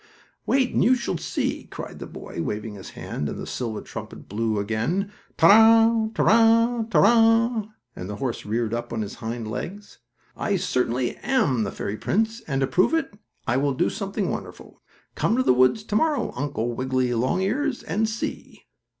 "Wait, and you shall see!" cried the boy, waving his hand, and the silver trumpet blew again, "Ta ra ta ra ta ra!" and the horse reared up on his hind legs. "I certainly am the fairy prince, and to prove it I will do something wonderful. Come to the woods to morrow, Uncle Wiggily Longears, and see!"